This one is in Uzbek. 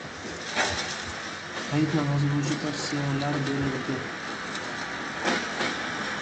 Hayit namozi bo‘yicha tavsiyalar berildi